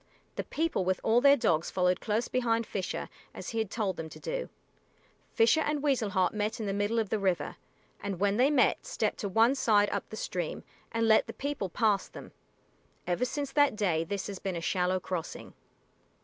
The people with all their dogs followed close behind Fisher, as he had told them to do. Fisher and Weasel Heart met in the middle of the river, and when they met they stepped to one side up the stream and let the people pass them. Ever since that day this has been a shallow crossing.